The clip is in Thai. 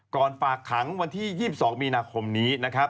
ก่อนฝากขังวันที่๒๒มีนาคมนี้